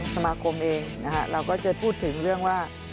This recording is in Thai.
สมาคมเองเราก็จะพูดถึงเรื่องว่า